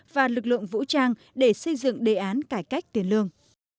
và lực lượng vũ trang để xây dựng đề án cải cách tiền lương